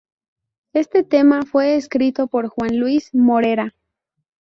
Este tema fue escrito por Juan Luis Morera.